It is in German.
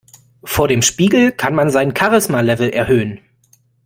Vor dem Spiegel kann man sein Charisma-Level erhöhen.